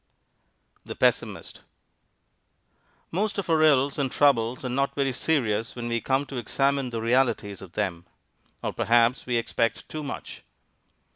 THE PESSIMIST Most of our ills and troubles are not very serious when we come to examine the realities of them. Or perhaps we expect too much.